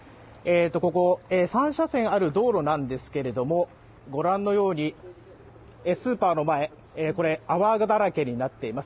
ここ３車線ある道路なんですけれども、ご覧のように、スーパーの前、これ、泡だらけになっています。